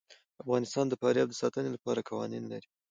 افغانستان د فاریاب د ساتنې لپاره قوانین لري.